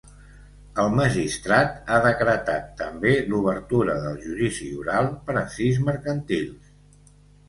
El magistrat ha decretat també l’obertura del judici oral per a sis mercantils.